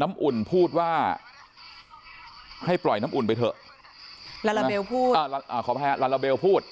น้ำอุ่นพูดว่าให้ปล่อยน้ำอุ่นไปเถอะลาลาเบลพูดขออภัยลาลาเบลพูด